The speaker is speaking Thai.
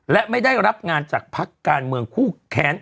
และไม่ได้รับงานจากพักการเมืองคู่แค้น